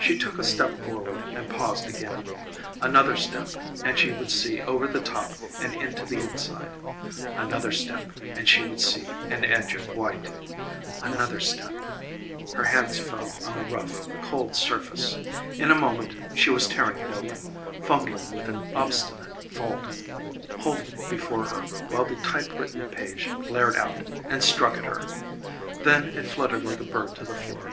She took a step forward and paused again; another step and she would see over the top and into the inside another step and she would see an edge of white another step her hands fell on the rough, cold surface In a moment she was tearing it open, fumbling with an obstinate fold, holding it before her while the typewritten page glared out and struck at her. Then it fluttered like a bird to the floor.